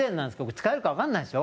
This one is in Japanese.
使えるか、わからないですよ。